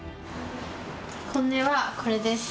本音はこれです。